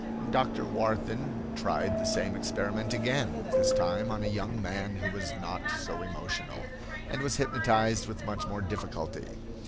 Dr. Warthin tried the same experiment again, this time on a young man who was not so emotional, and was hypnotized with much more difficulty.